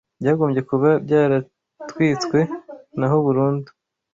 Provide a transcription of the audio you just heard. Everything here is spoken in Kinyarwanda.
Byagombye kuba byaratwitswe naho burundu